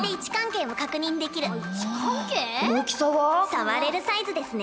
触れるサイズですね。